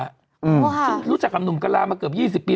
เริ่มรู้จักคำหนุ่มกรามาเกือบ๒๐ปี